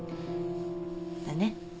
だね。